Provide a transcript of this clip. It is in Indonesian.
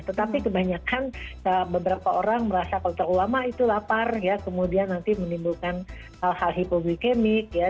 tetapi kebanyakan beberapa orang merasa kalau terulama itu lapar ya kemudian nanti menimbulkan hal hal hipoglikemik ya